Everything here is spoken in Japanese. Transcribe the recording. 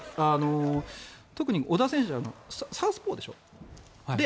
特に小田選手サウスポーでしょ。